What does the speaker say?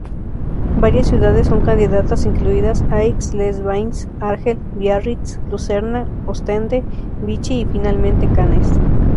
Varias ciudades son candidatas, incluidas Aix-les-Bains, Argel, Biarritz, Lucerna, Ostende, Vichy y finalmente Cannes.